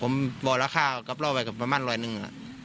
ผมวราคากลับรอไปกันประมาณร้อยหนึ่ง